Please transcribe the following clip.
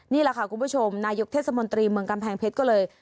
นี่แหละค่ะคุณผู้ชมนายกเทศมนตรีเมืองกำแพงเพชรก็เลย